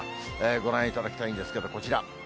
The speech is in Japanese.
ご覧いただきたいんですけれども、こちら。